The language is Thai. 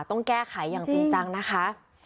ต้องแก้ไขอย่างจริงจังนะคะ